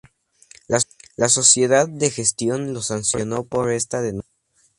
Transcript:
La sociedad de gestión lo sancionó por esta denuncia.